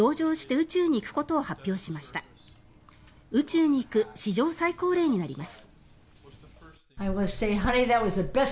宇宙に行く史上最高齢になります。